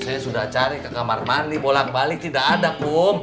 saya sudah cari ke kamar mandi bolak balik tidak ada pun